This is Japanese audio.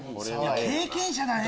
経験者だね